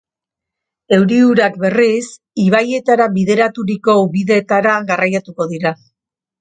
Euri-urak berriz, ibaietara bideraturiko ubideetara garraiatuko dira.